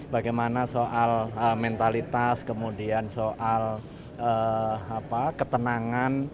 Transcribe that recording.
bagaimana soal mentalitas kemudian soal ketenangan